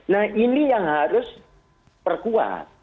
nah ini yang harus perkuat